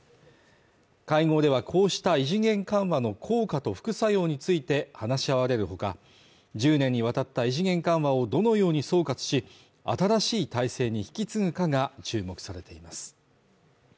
会合ではこうした異次元緩和の効果と副作用について話し合われる他、１０年にわたった異次元緩和をどのように総括し新しい体制に引き継ぐかが注目されています